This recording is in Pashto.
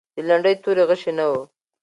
د لنډۍ توري غشی نه و.